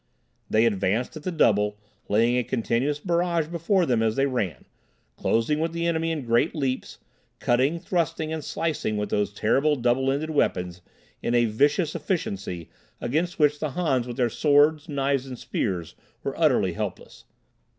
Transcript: They advanced at the double, laying a continuous barrage before them as they ran, closing with the enemy in great leaps, cutting, thrusting and slicing with those terrible double ended weapons in a vicious efficiency against which the Hans with their swords, knives and spears were utterly helpless.